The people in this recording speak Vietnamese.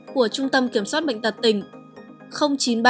của trung tâm kiểm soát bệnh tật tỉnh